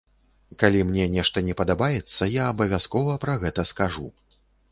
Калі мне нешта не падабаецца, я абавязкова пра гэта скажу.